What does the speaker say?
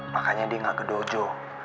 makanya dia gak ke dojo